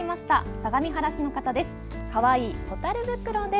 相模原市の方です。